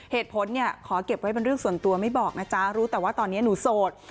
เหตุผลเนี่ยขอเก็บไว้เป็นเรื่องส่วนตัวไม่บอกนะจ๊ะรู้แต่ว่าตอนนี้หนูโสด